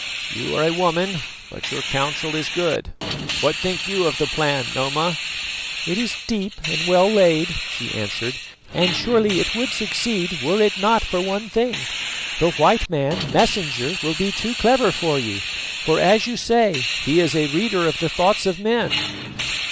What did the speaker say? "You are a woman, but your counsel is good. What think you of the plan, Noma?" "It is deep and well laid," she answered, "and surely it would succeed were it not for one thing. The white man, Messenger, will be too clever for you, for as you say, he is a reader of the thoughts of men."